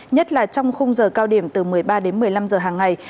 nhất là trong khung giờ cao điểm từ một mươi ba đến một mươi năm giờ hàng ngày